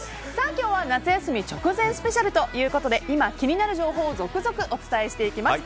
今日は夏休み直前スペシャルということで今、気になる情報を続々お伝えしていきます。